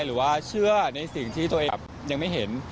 หรือว่าเชื่อในสิ่งที่ตัวเองยังไม่เห็น